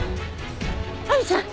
亜美ちゃん